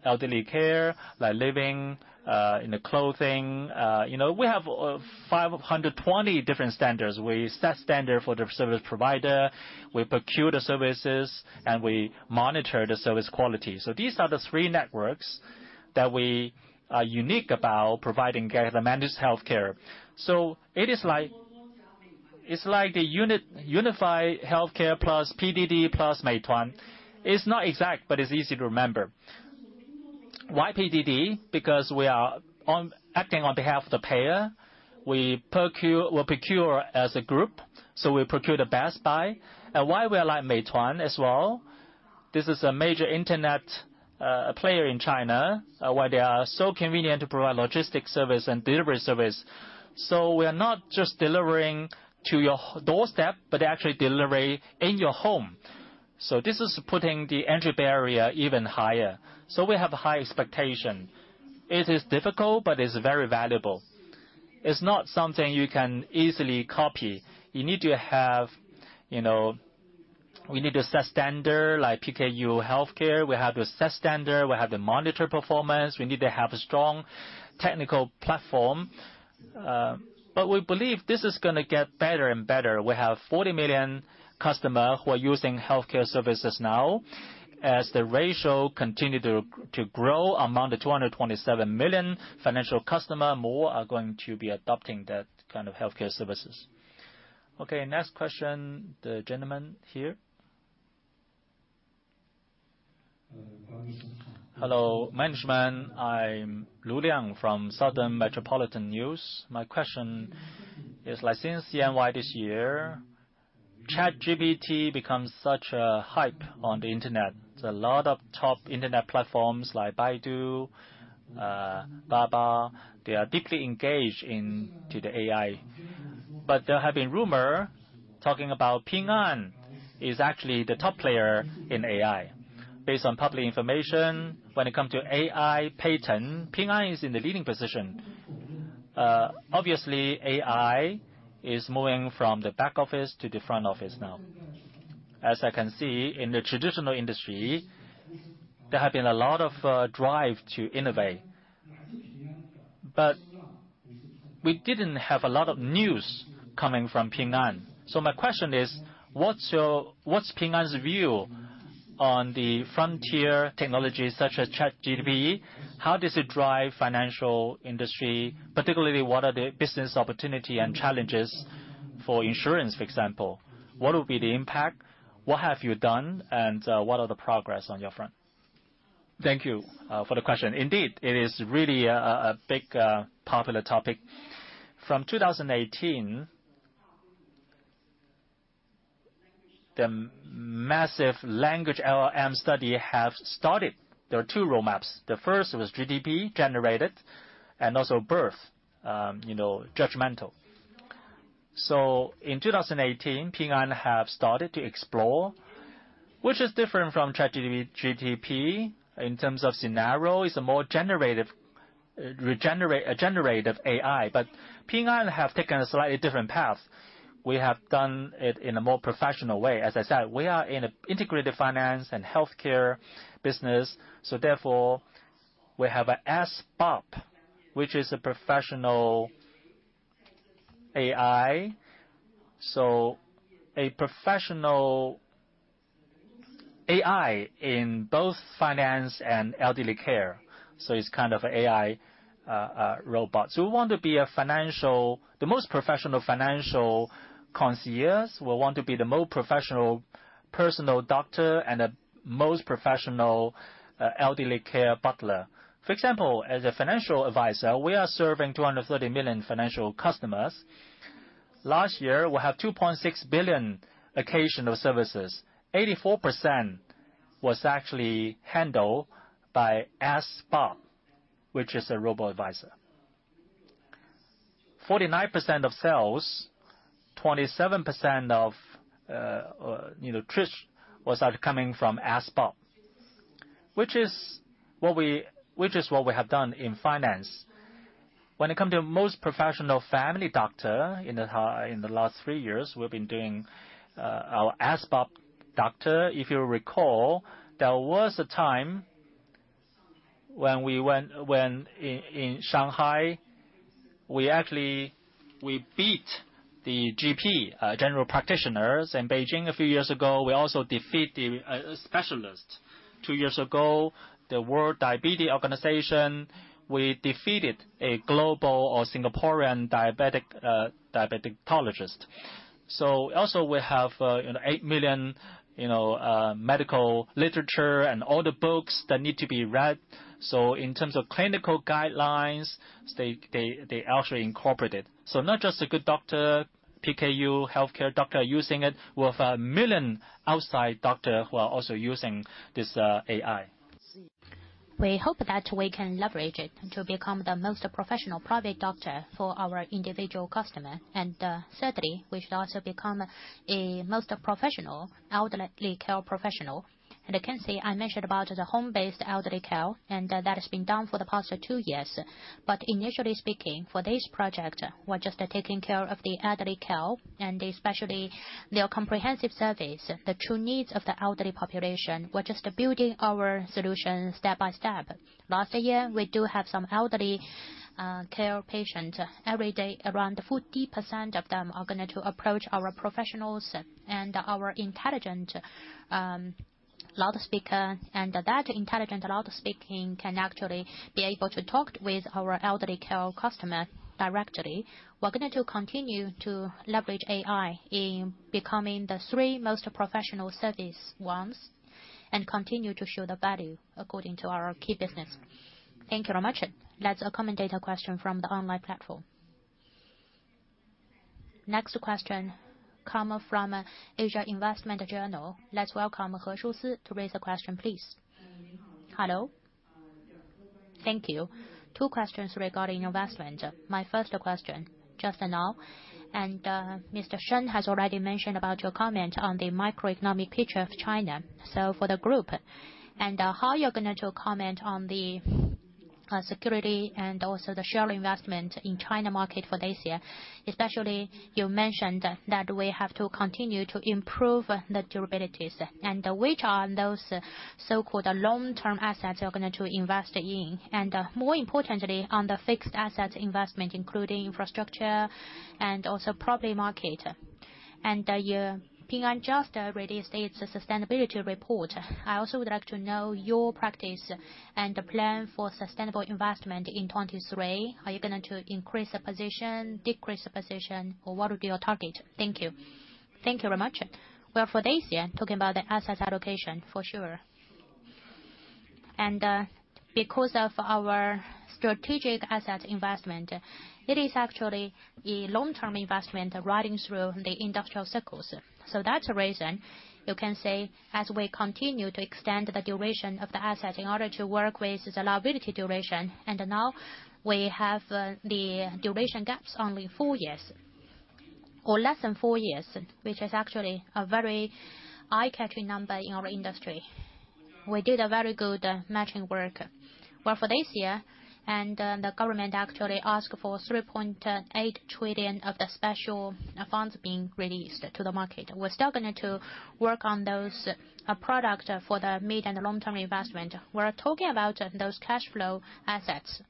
elderly care, like living in the clothing. You know, we have 520 different standards. We set standard for the service provider, we procure the services, we monitor the service quality. These are the three networks that we are unique about providing the managed healthcare. It is like, it's like the unified healthcare plus PDD plus Meituan. It's not exact, it's easy to remember. Why PDD? We are acting on behalf of the payer. We'll procure as a group, we procure the best buy. Why we are like Meituan as well? This is a major internet player in China, where they are so convenient to provide logistics service and delivery service. We are not just delivering to your doorstep, but actually delivery in your home. This is putting the entry barrier even higher, we have high expectation. It is difficult, it's very valuable. It's not something you can easily copy. You need to have, you know, We need to set standard like PKU Healthcare. We have to set standard. We have to monitor performance. We need to have a strong technical platform. We believe this is gonna get better and better. We have 40 million customer who are using healthcare services now. As the ratio continue to grow among the 227 million financial customer, more are going to be adopting that kind of healthcare services. Okay, next question, the gentleman here. Hello, management. I'm Lu Liang from Southern Metropolis Daily. My question is like, since CNY this year, ChatGPT becomes such a hype on the internet. There's a lot of top internet platforms like Baidu, Baba, they are deeply engaged into the AI. There have been rumors talking about Ping An is actually the top player in AI. Based on public information, when it comes to AI patent, Ping An is in the leading position. Obviously, AI is moving from the back office to the front office now. As I can see, in the traditional industry, there have been a lot of drive to innovate. We didn't have a lot of news coming from Ping An. My question is, what's Ping An's view? On the frontier technologies such as ChatGPT, how does it drive financial industry? Particularly, what are the business opportunity and challenges for insurance, for example? What will be the impact? What have you done? What are the progress on your front? Thank you for the question. Indeed, it is really a big popular topic. From 2018, the massive language LLM study have started. There are two roadmaps. The first was GDP generated and also growth, you know, judgmental. In 2018, Ping An have started to explore, which is different from ChatGPT in terms of scenario. It's a more generative AI. Ping An have taken a slightly different path. We have done it in a more professional way. As I said, we are in integrated finance and healthcare business, therefore, we have a SBOT, which is a professional AI. A professional AI in both finance and elderly care. It's kind of AI robot. We want to be the most professional financial concierge. We want to be the most professional personal doctor and the most professional elderly care butler. For example, as a financial advisor, we are serving 230 million financial customers. Last year, we have 2.6 billion occasional services. 84% was actually handled by SBOT, which is a robo-advisor. 49% of sales, 27% of, you know, Trish was coming from SBOT, which is what we have done in finance. When it comes to most professional family doctor in the last 3 years, we've been doing our SBOT doctor. If you recall, there was a time when we went in Shanghai, we actually, we beat the GP general practitioners. In Beijing a few years ago, we also defeat the specialist. Two years ago, the International Diabetes Federation, we defeated a global or Singaporean diabetic, diabeticologist. Also we have, you know, 8 million, you know, medical literature and all the books that need to be read. In terms of clinical guidelines, they actually incorporate it. Not just a good doctor, PKU Healthcare doctor using it. We have 1 million outside doctor who are also using this AI. We hope that we can leverage it to become the most professional private doctor for our individual customer. Thirdly, we should also become a most professional elderly care professional. I can say, I mentioned about the home-based elderly care, and that has been done for the past 2 years. Initially speaking, for this project, we're just taking care of the elderly care and especially their comprehensive service, the true needs of the elderly population. We're just building our solution step by step. Last year, we do have some elderly care patient. Every day, around 40% of them are going to approach our professionals and our intelligent loudspeaker. That intelligent loudspeaker can actually be able to talk with our elderly care customer directly. We're going to continue to leverage AI in becoming the three most professional service ones and continue to show the value according to our key business. Thank you very much. That's a commentator question from the online platform. Next question come from Asia Investment Journal. Let's welcome Ho Shusi to raise a question, please. Hello. Thank you. Two questions regarding investment. My first question, just now, and, Mr. Shen has already mentioned about your comment on the microeconomic picture of China. For the group and, how you're going to comment on the security and also the share investment in China market for this year. Especially, you mentioned that we have to continue to improve the durabilities. Which are those so-called long-term assets you're going to invest in? More importantly, on the fixed asset investment, including infrastructure and also property market. Ping An just released its sustainability report. I also would like to know your practice and plan for sustainable investment in 23. Are you going to increase the position, decrease the position, or what would be your target? Thank you. Thank you very much. Well, for this year, talking about the assets allocation for sure. Because of our strategic asset investment, it is actually a long-term investment riding through the industrial cycles. That's the reason you can say as we continue to extend the duration of the asset in order to work with its liability duration, and now we have the duration gaps only 4 years or less than 4 years, which is actually a very eye-catching number in our industry. We did a very good matching work. For this year, the government actually asked for 3.8 trillion of the special funds being released to the market. We're still going to work on those product for the mid- and long-term investment. We're talking about those cash flow assets.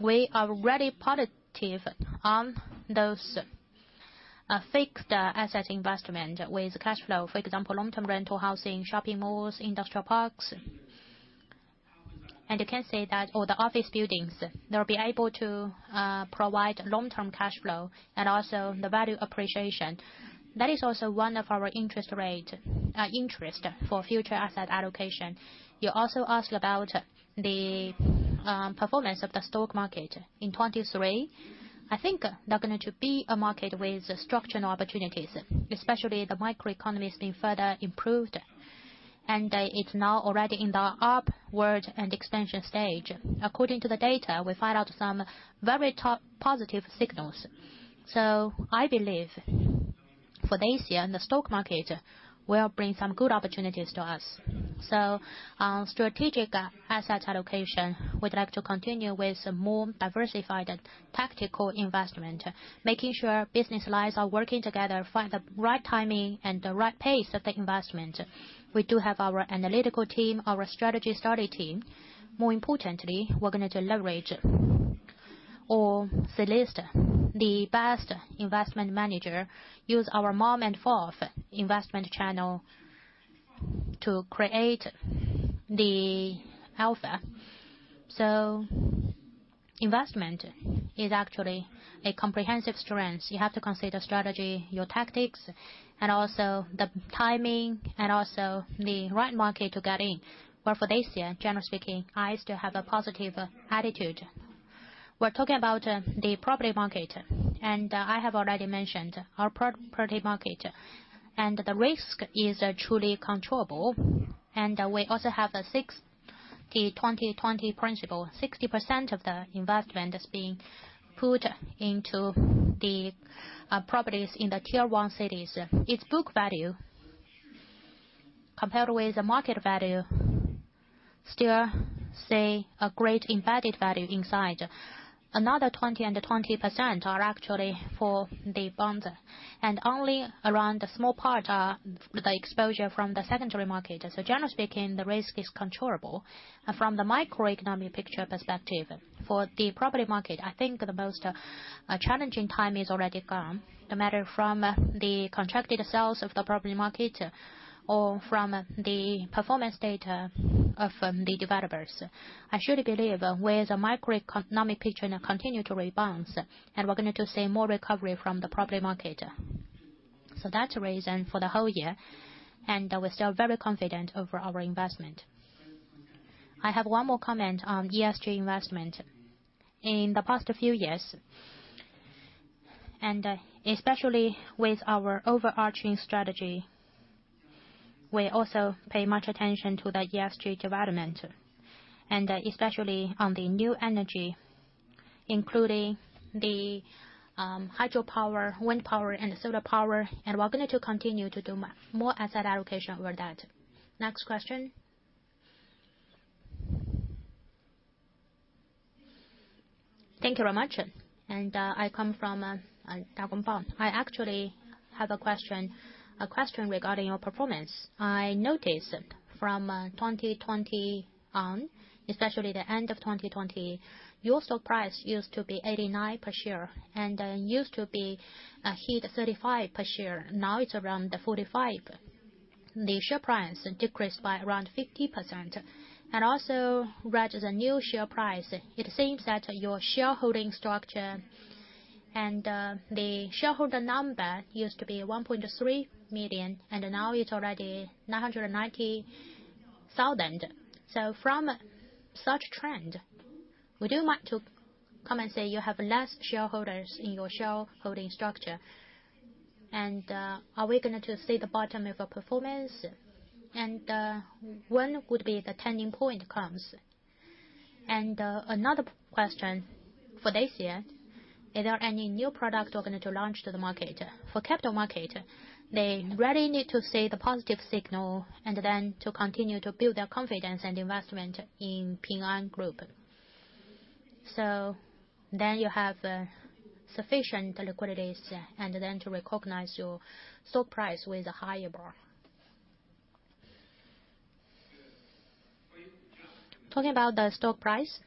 We are already positive on those. A fixed asset investment with cash flow, for example, long-term rental housing, shopping malls, industrial parks. You can say or the office buildings, they'll be able to provide long-term cash flow and also the value appreciation. That is also one of our interest for future asset allocation. You also asked about the performance of the stock market in 23. I think they're going to be a market with structural opportunities, especially the micro economy is being further improved, and it's now already in the upward and expansion stage. According to the data, we find out some very top positive signals. I believe for this year, the stock market will bring some good opportunities to us. On strategic asset allocation, we'd like to continue with a more diversified tactical investment, making sure business lines are working together, find the right timing and the right pace of the investment. We do have our analytical team, our strategy study team. More importantly, we're going to leverage on Celeste, the best investment manager, use our mom and pop investment channel to create the alpha. Investment is actually a comprehensive strength. You have to consider strategy, your tactics, and also the timing and also the right market to get in. For this year, generally speaking, I still have a positive attitude. We're talking about the property market, and I have already mentioned our pro-property market and the risk is truly controllable. We also have the sixty twenty-twenty principle. 60% of the investment is being put into the properties in the tier-one cities. Its book value compared with the market value still a great embedded value inside. Another 20% and 20% are actually for the bonds, and only around a small part are the exposure from the secondary market. Generally speaking, the risk is controllable. From the macroeconomic picture perspective, for the property market, I think the most challenging time is already gone. No matter from the contracted sales of the property market or from the performance data from the developers. I should believe with the macroeconomic picture now continue to rebalance, and we're going to see more recovery from the property market. That's the reason for the whole year, and we're still very confident over our investment. I have one more comment on ESG investment. In the past few years, and especially with our overarching strategy, we also pay much attention to the ESG development, and especially on the new energy, including the hydropower, wind power and solar power, and we're going to continue to do more asset allocation over that. Next question. Thank you very much. I come from Dong Fang Hong. I actually have a question regarding your performance. I noticed from 2020 on, especially the end of 2020, your stock price used to be 89 per share and used to be a hit 35 per share. Now it's around 45. The share price decreased by around 50%. Also read the new share price. It seems that your shareholding structure and the shareholder number used to be 1.3 million, and now it's already 990,000. From such trend, we do want to come and say you have less shareholders in your shareholding structure. Are we going to see the bottom of your performance? When would be the turning point comes? Another question for this year. Is there any new product organ to launch to the market? For capital market, they really need to see the positive signal and then to continue to build their confidence and investment in Ping An Group. You have sufficient liquidities and then to recognize your stock price with a higher bar. Talking about the stock price.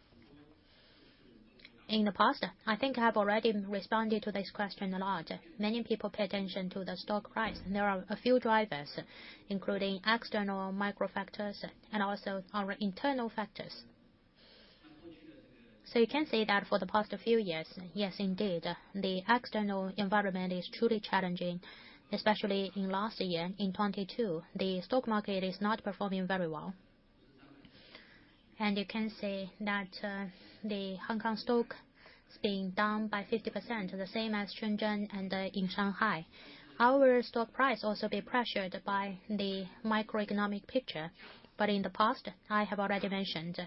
In the past, I think I have already responded to this question a lot. Many people pay attention to the stock price, there are a few drivers, including external micro factors and also our internal factors. You can say that for the past few years, yes, indeed, the external environment is truly challenging, especially in last year, in 2022. The stock market is not performing very well. You can say that the Hong Kong stock is being down by 50%, the same as Shenzhen and in Shanghai. Our stock price also be pressured by the macroeconomic picture. In the past, I have already mentioned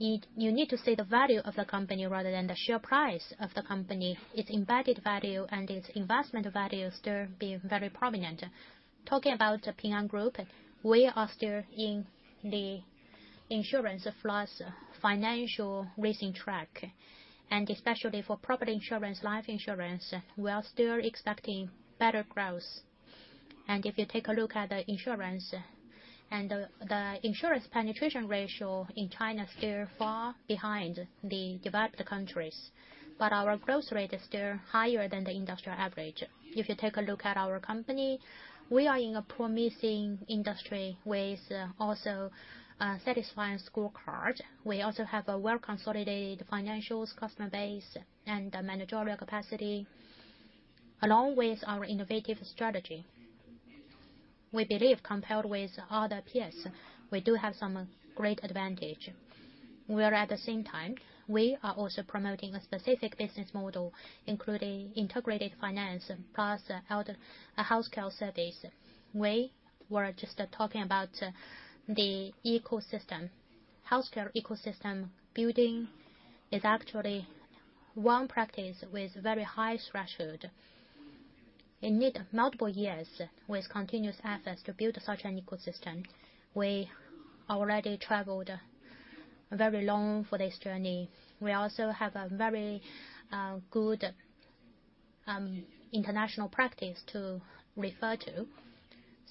it, you need to see the value of the company rather than the share price of the company, its embedded value and its investment value still being very prominent. Talking about Ping An Group, we are still in the insurance plus financial racing track, especially for property insurance, life insurance, we are still expecting better growth. If you take a look at the insurance penetration ratio in China, it is still far behind the developed countries, but our growth rate is still higher than the industrial average. If you take a look at our company, we are in a promising industry with also a satisfying scorecard. We also have a well-consolidated financials, customer base, and managerial capacity, along with our innovative strategy. We believe compared with other peers, we do have some great advantage. Where at the same time, we are also promoting a specific business model, including integrated finance plus other healthcare service. We were just talking about the ecosystem. Healthcare ecosystem building is actually one practice with very high threshold. It need multiple years with continuous efforts to build such an ecosystem. We already traveled very long for this journey. We also have a very good international practice to refer to.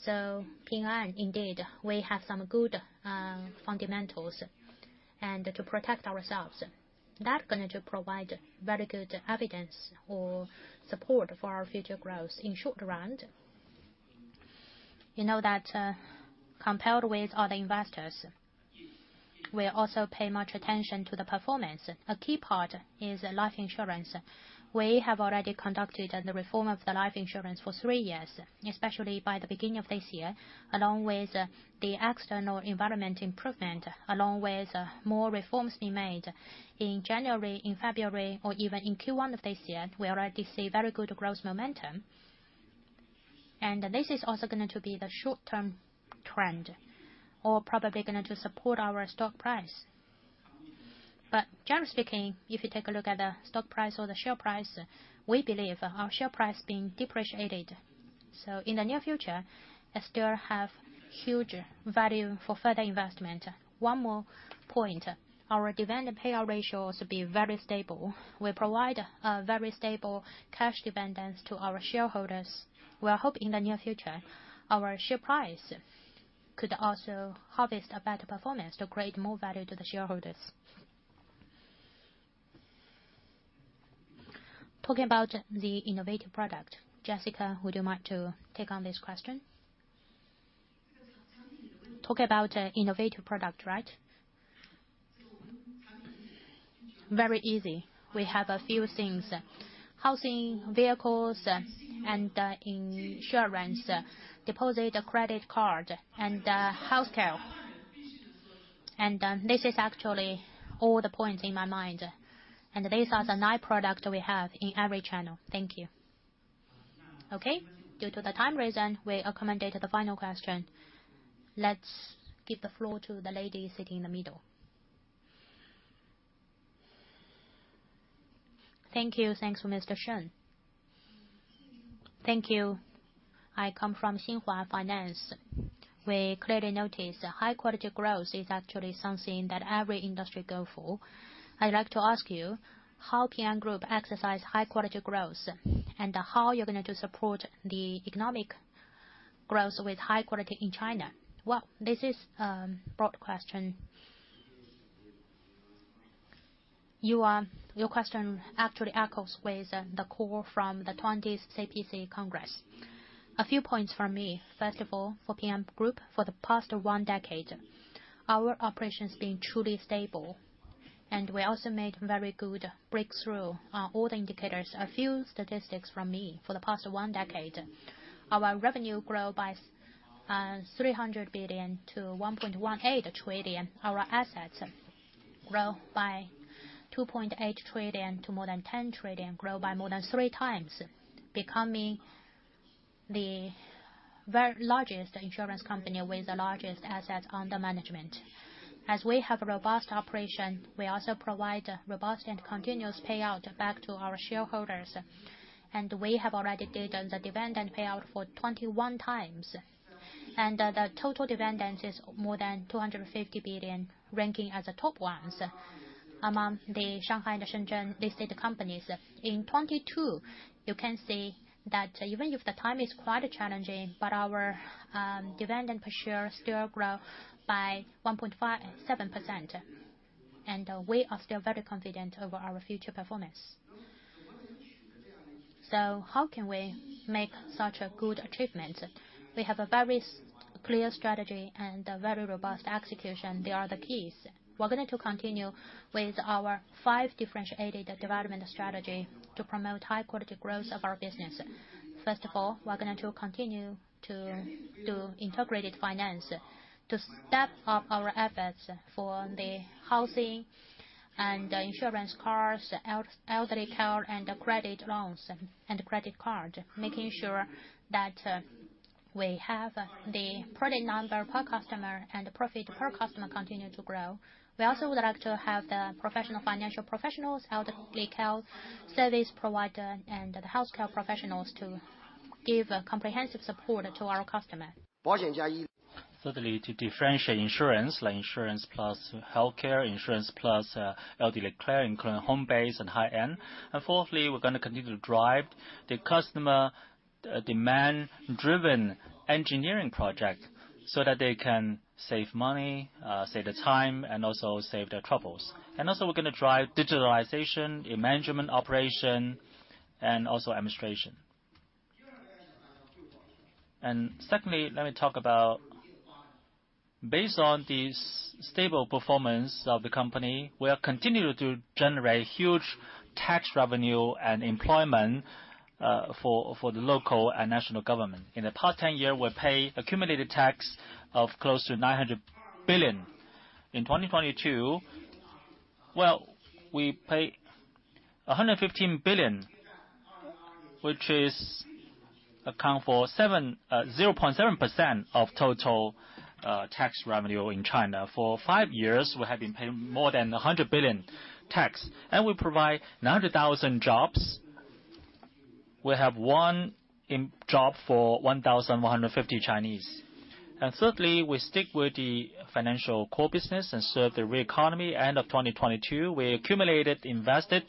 Ping An, indeed, we have some good fundamentals and to protect ourselves. That's going to provide very good evidence or support for our future growth. In short run, you know that, compared with other investors, we also pay much attention to the performance. A key part is life insurance. We have already conducted the reform of the life insurance for three years, especially by the beginning of this year, along with the external environment improvement, along with more reforms being made. In January, in February, or even in Q1 of this year, we already see very good growth momentum. This is also going to be the short-term trend or probably going to support our stock price. Generally speaking, if you take a look at the stock price or the share price, we believe our share price being depreciated. In the near future, it still have huge value for further investment. One more point, our dividend payout ratio has been very stable. We provide very stable cash dividends to our shareholders. We are hoping in the near future, our share price could also harvest a better performance to create more value to the shareholders. Talking about the innovative product. Jessica, would you like to take on this question? Talk about innovative product, right? Very easy. We have a few things. Housing, vehicles, and insurance, deposit, credit card, and healthcare. This is actually all the points in my mind. These are the nine products we have in every channel. Thank you. Okay. Due to the time reason, we accommodate the final question. Let's give the floor to the lady sitting in the middle. Thank you. Thanks, Mr. Shen. Thank you. I come from Xinhua Finance. We clearly notice high quality growth is actually something that every industry go for. I'd like to ask you, how Ping An Group exercise high quality growth, and how you're going to support the economic growth with high quality in China? Well, this is a broad question. Your question actually echoes with the call from the 20th CPC Congress. A few points from me. First of all, for Ping An Group, for the past one decade, our operations being truly stable. We also made very good breakthrough on all the indicators. A few statistics from me for the past one decade. Our revenue grow by 300 billion to 1.18 trillion. Our assets grow by 2.8 trillion to more than 10 trillion, grow by more than three times, becoming the very largest insurance company with the largest asset under management. As we have a robust operation, we also provide robust and continuous payout back to our shareholders. We have already did the dividend payout for 21 times. The total dividend is more than 250 billion, ranking as the top ones among the Shanghai and Shenzhen-listed companies. In 2022, you can see that even if the time is quite challenging, our dividend per share still grow by 1.57%. We are still very confident over our future performance. How can we make such a good achievement? We have a very clear strategy and a very robust execution. They are the keys. We're going to continue with our five differentiated development strategy to promote high quality growth of our business. First of all, we're going to continue to do integrated finance to step up our efforts for the housing and insurance costs, elderly care and credit loans and credit card, making sure that we have the product number per customer and profit per customer continue to grow. We also would like to have the professional financial professionals, elderly care service provider, and the healthcare professionals to give comprehensive support to our customer. Certainly to differentiate insurance, like insurance plus healthcare, insurance plus elderly care, including home-based and high end. Fourthly, we're gonna continue to drive the customer demand driven engineering project so that they can save money, save the time, and also save their troubles. Also we're gonna drive digitalization in management operation and also administration. Secondly, let me talk about based on the stable performance of the company, we are continuing to generate huge tax revenue and employment for the local and national government. In the past 10 years, we paid accumulated tax of close to 900 billion. In 2022, well, we paid 115 billion, which is account for 0.7% of total tax revenue in China. For 5 years, we have been paying more than 100 billion tax, and we provide 90,000 jobs. We have 1 job for 1,150 Chinese. Thirdly, we stick with the financial core business and serve the real economy. End of 2022, we accumulated invested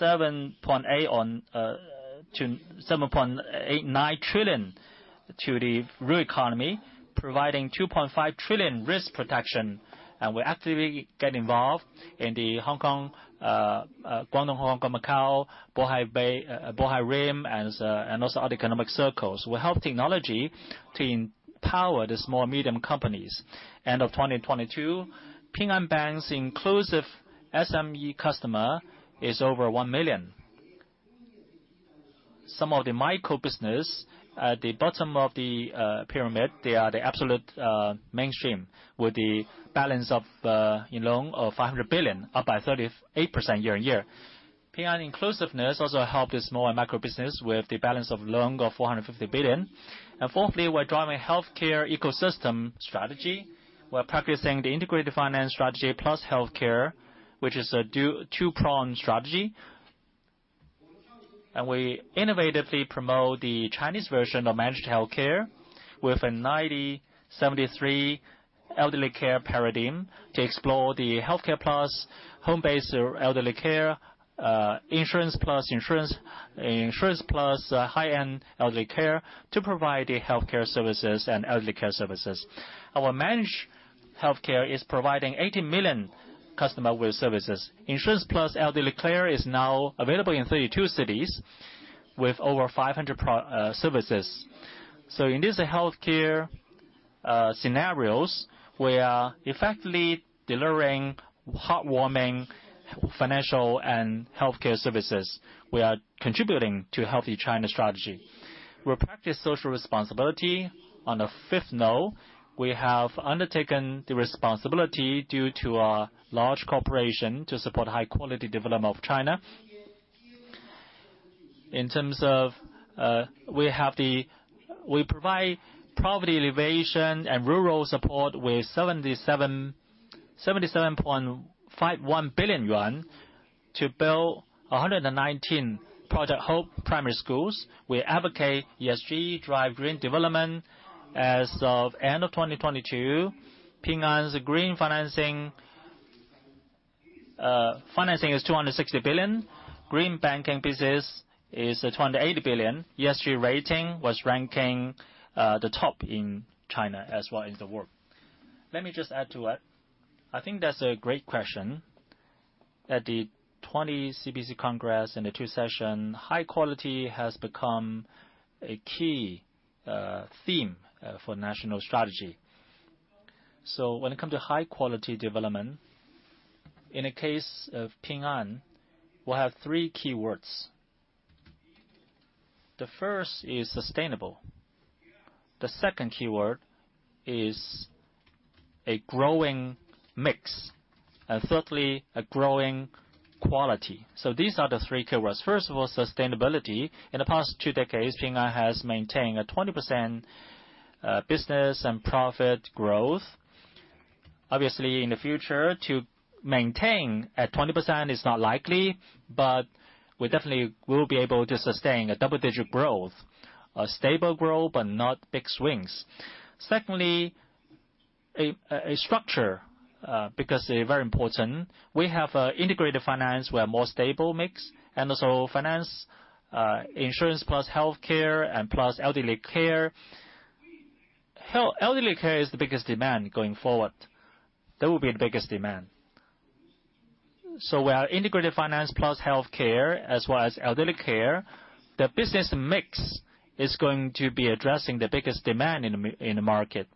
7.8 trillion-7.89 trillion to the real economy, providing 2.5 trillion risk protection. We actively get involved in the Hong Kong, Guangdong-Hong Kong-Macao, Bohai Bay, Bohai Rim, and also other economic circles. We help technology to empower the small medium companies. End of 2022, Ping An Bank's inclusive SME customer is over 1 million. Some of the micro business at the bottom of the pyramid, they are the absolute mainstream with the balance of a loan of 500 billion, up by 38% year-on-year. Ping An inclusiveness also helped the small and micro business with the balance of loan of 450 billion. Fourthly, we're driving healthcare ecosystem strategy. We're practicing the integrated finance strategy plus healthcare, which is a two-pronged strategy. We innovatively promote the Chinese version of managed healthcare with a 90-7-3 elderly care paradigm to explore the healthcare plus home-based elderly care, insurance plus high-end elderly care to provide the healthcare services and elderly care services. Our managed healthcare is providing 80 million customer with services. Insurance plus elderly care is now available in 32 cities with over 500 services. In this healthcare scenarios, we are effectively delivering heartwarming financial and healthcare services. We are contributing to a healthy China strategy. We practice social responsibility. On a fifth note, we have undertaken the responsibility due to our large corporation to support high quality development of China. In terms of, we provide poverty elevation and rural support with 77.51 billion yuan to build 119 Project Hope primary schools. We advocate ESG to drive green development. As of end of 2022, Ping An's green financing is 260 billion. Green banking business is 280 billion. ESG rating was ranking the top in China as well in the world. Let me just add to it. I think that's a great question. At the 20th CPC Congress and the Two Sessions, high quality has become a key theme for national strategy. When it comes to high quality development, in the case of Ping An, we have three keywords. The first is sustainable. The second keyword is a growing mix. Thirdly, a growing quality. These are the three keywords. First of all, sustainability. In the past two decades, Ping An has maintained a 20% business and profit growth. Obviously, in the future to maintain at 20% is not likely, but we definitely will be able to sustain a double-digit growth, a stable growth and not big swings. Secondly, a structure, because they're very important. We have integrated finance. We have more stable mix, and also finance, insurance plus healthcare and plus elderly care. Elderly care is the biggest demand going forward. That will be the biggest demand. Our integrated finance plus healthcare as well as elderly care, the business mix is going to be addressing the biggest demand in the market.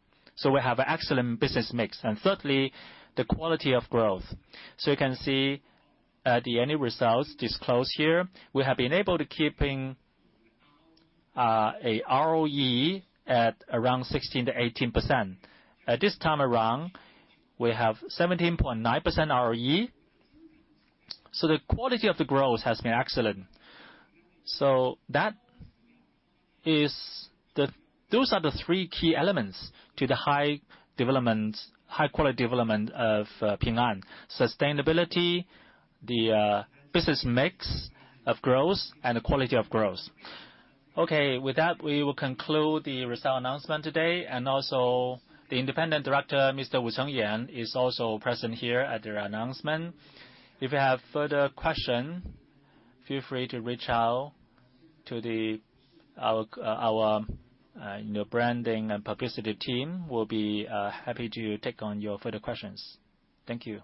We have excellent business mix. Thirdly, the quality of growth. You can see at the annual results disclosed here, we have been able to keeping a ROE at around 16%-18%. At this time around, we have 17.9% ROE. The quality of the growth has been excellent. Those are the three key elements to the high development, high quality development of Ping An. Sustainability, the business mix of growth, and the quality of growth. Okay, with that, we will conclude the result announcement today. Also, the Independent Director, Mr. Wensheng Yan, is also present here at the announcement. If you have further question, feel free to reach out to our, you know, branding and publicity team. We'll be happy to take on your further questions. Thank you.